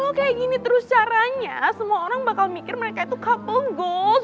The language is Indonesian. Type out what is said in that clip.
mam kalo kayak gini terus caranya semua orang bakal mikir mereka itu couple ghost